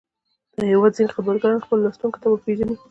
د هېواد ځينې خدمتګاران خپلو لوستونکو ته ور وپېژني.